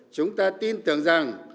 chúng ta tin tưởng rằng